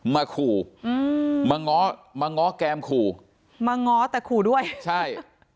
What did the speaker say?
มาขู่มาง้อแก้มขู่มาง้อแต่ขู่ด้วยใช่